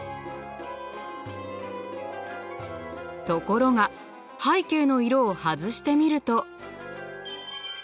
ところが背景の色を外してみると。